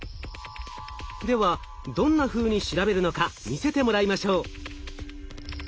ではどんなふうに調べるのか見せてもらいましょう。